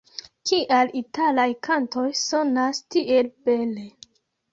Kial italaj kantoj sonas tiel bele?